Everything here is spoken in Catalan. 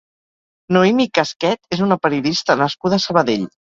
Noemí Casquet és una periodista nascuda a Sabadell.